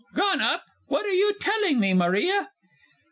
Gone up! What are you telling me, Maria?